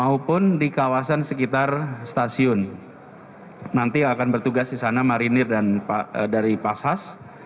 maupun di kawasan sekitar stasiun nanti akan bertugas di sana marinir dari pashas